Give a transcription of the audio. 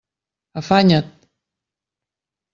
Afanya't!